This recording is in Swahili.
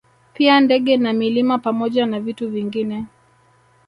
Pia ndege na milima pamoja na vitu vingine